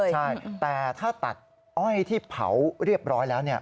ใช่แต่ถ้าตัดอ้อยที่เผาเรียบร้อยแล้ว